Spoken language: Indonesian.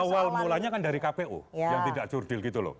awal mulanya kan dari kpu yang tidak jurdil gitu loh